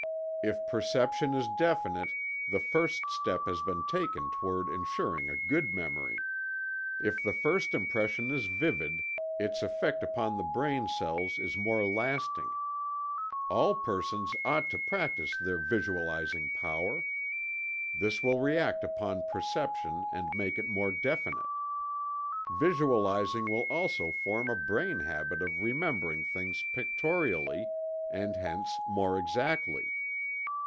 If perception is definite, the first step has been taken toward insuring a good memory. If the first impression is vivid, its effect upon the brain cells is more lasting. All persons ought to practice their visualizing power. This will react upon perception and make it more definite. Visualizing will also form a brain habit of remembering things pictorially, and hence more exactly."